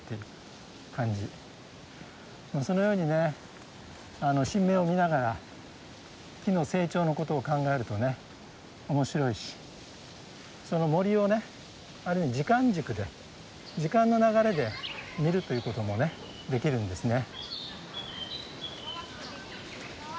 そのようにね新芽を見ながら木の成長のことを考えるとね面白いしその森をね時間軸で時間の流れで見るということもねできるんですね。